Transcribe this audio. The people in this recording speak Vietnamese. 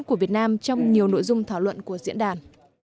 của việt nam trong nhiều nội dung thảo luận của diễn đàn